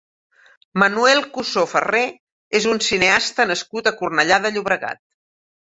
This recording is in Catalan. Manuel Cussó-Ferrer és un cineasta nascut a Cornellà de Llobregat.